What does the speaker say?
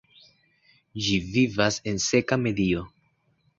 Ĝi vivas en seka medio.